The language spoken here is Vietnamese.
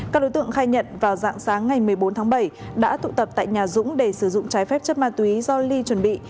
các đối tượng khai nhận vào dạng sáng ngày một mươi bốn tháng bảy đã tụ tập tại nhà dũng để sử dụng trái phép chất ma túy do ly chuẩn bị